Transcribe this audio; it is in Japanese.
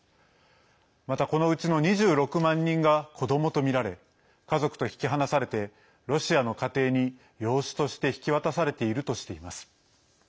また、このうちの２６万人が子どもとみられ家族と引き離されてロシアの家庭に養子として引き渡されているとしています。